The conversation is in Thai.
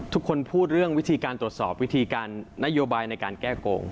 พูดเรื่องวิธีการตรวจสอบวิธีการนโยบายในการแก้โกง